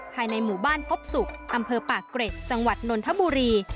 ภายในหมู่บ้านพบสุคอำเพอป่าเกร็ดจังหวัดนวลทะบุรี